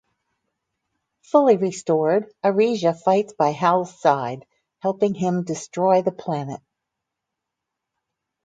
Fully restored, Arisia fights by Hal's side, helping him destroy the planet.